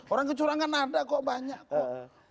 orang kecurangan ada kok banyak kok